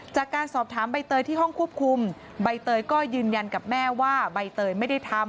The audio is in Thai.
จากการสอบถามใบเตยที่ห้องควบคุมใบเตยก็ยืนยันกับแม่ว่าใบเตยไม่ได้ทำ